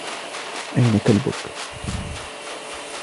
اين كلبك ؟